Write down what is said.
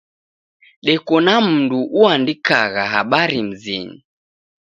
Deko na mndu uandikagha habari mzinyi.